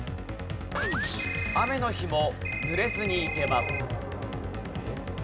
「雨の日も濡れずに行けます」